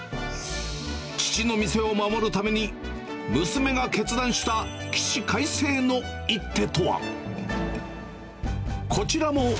父の店を守るために、娘が決断した起死回生の一手とは？